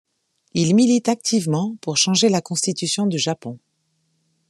Il milite activement pour changer la constitution du Japon.